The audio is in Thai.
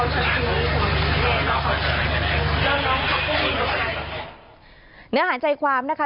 น่าจะมีความสัมพันธ์กันนี่นะคะ